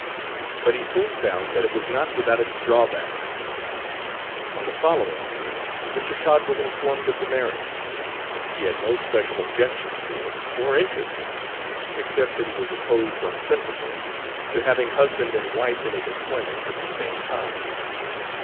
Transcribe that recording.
But he soon found that it was not without its drawbacks. On the following morning Mr. Todd was informed of the marriage. He had no special objection to it, or interest in it, except that he was opposed on principle to having husband and wife in his employment at the same time.